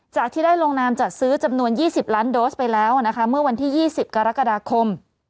ที่ได้ลงนามจัดซื้อจำนวน๒๐ล้านโดสไปแล้วนะคะเมื่อวันที่๒๐กรกฎาคม